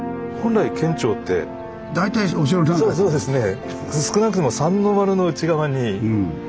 そうそうですね。